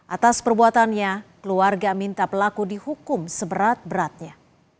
atas perbuatannya keluarga minta pelaku dihukum seberat beratnya